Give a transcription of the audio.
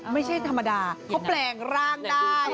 ไม่ใช่ธรรมดาเขาแปลงร่างได้